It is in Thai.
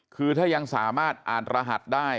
คือถ้ายังสามารถอ่านรหัสได้